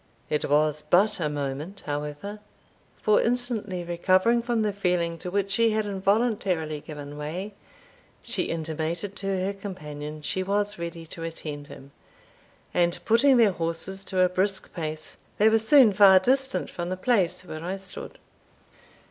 It was but a moment, however; for, instantly recovering from the feeling to which she had involuntarily given way, she intimated to her companion she was ready to attend him, and putting their horses to a brisk pace, they were soon far distant from the place where I stood.